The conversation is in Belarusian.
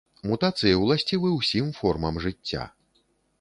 Мутацыі ўласцівы ўсім формам жыцця.